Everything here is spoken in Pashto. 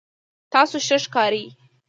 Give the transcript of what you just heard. تاسو ښه ښکارئ